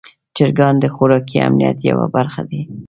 چرګان د خوراکي امنیت یوه برخه دي.